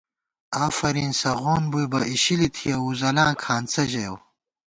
آفرین سغون بُوئی بہ اِشِلی تھِیَؤ، وُزَلاں کھانڅہ ژَیَؤ